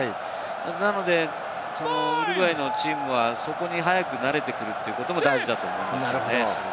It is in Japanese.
なのでウルグアイのチームは、そこに早く慣れてくるのも大事だと思います。